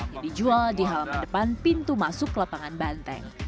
yang dijual di halaman depan pintu masuk lapangan banteng